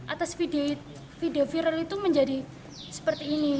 atas video viral itu menjadi seperti ini